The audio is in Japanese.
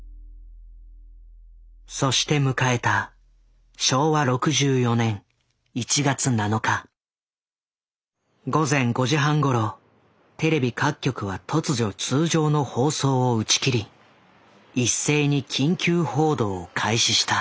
そして迎えた午前５時半ごろテレビ各局は突如通常の放送を打ち切り一斉に緊急報道を開始した。